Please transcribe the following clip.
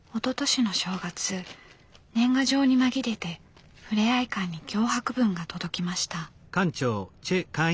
年賀状に紛れてふれあい館に脅迫文が届きました。